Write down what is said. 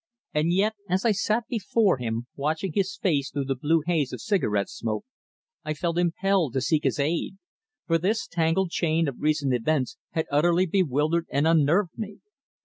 And yet as I sat before him, watching his face through the blue haze of cigarette smoke, I felt impelled to seek his aid, for this tangled chain of recent events had utterly bewildered and unnerved me.